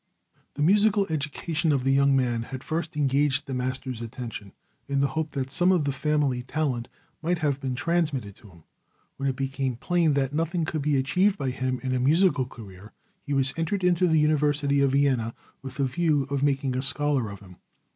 The musical education of the young man had first engaged the master's attention, in the hope that some of the family talent might have been transmitted to him. When it became plain that nothing could be achieved by him in a musical career, he was entered at the university of Vienna with a view of making a scholar of him.